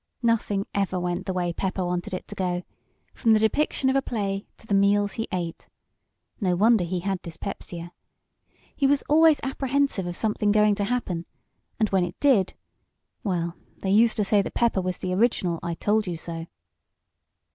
Nothing ever went the way Pepper wanted it to go, from the depiction of a play to the meals he ate. No wonder he had dyspepsia. He was always apprehensive of something going to happen and when it did well, they used to say that Pepper was the original "I told you so!"